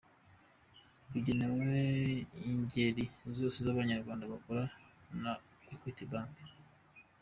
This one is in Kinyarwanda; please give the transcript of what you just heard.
Bugenewe ingeri zose z’Abanyarwanda bakorana na Equity Bank.